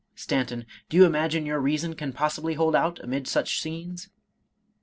— Stanton, do you imagine your reason can possibly hold out amid such scenes?